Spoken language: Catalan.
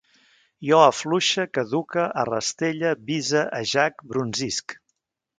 Jo afluixe, caduque, arrastelle, bise, ajac, brunzisc